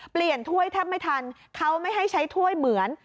ถ้วยแทบไม่ทันเขาไม่ให้ใช้ถ้วยเหมือน